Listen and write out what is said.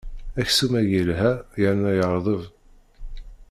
Aksum-agi yelha yerna yerḍeb.